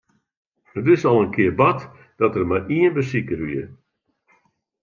It is al in kear bard dat der mar ien besiker wie.